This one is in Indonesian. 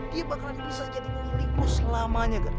dia bakalan bisa jadi pilih lo selamanya gar